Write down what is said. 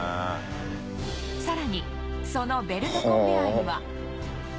さらにそのベルトコンベヤーには